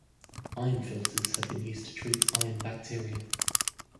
Iron filters have been used to treat iron bacteria.